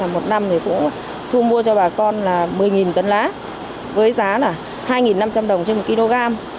một năm thì cũng thu mua cho bà con là một mươi tấn lá với giá là hai năm trăm linh đồng trên một kg